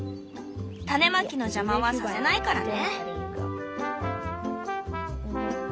種まきの邪魔はさせないからね。